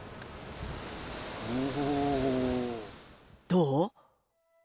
どう？